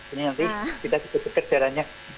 ini nanti kita juga bekerjaannya